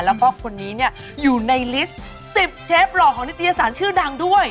แล้วก็คนนี้เนี่ยอยู่ในลิสต์๑๐เชฟหล่อของนิตยสารชื่อดังด้วย